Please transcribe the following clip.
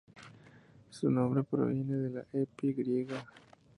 Su nombre proviene de la "epi" griega.